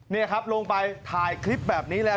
นี่ครับลงไปถ่ายคลิปแบบนี้แล้ว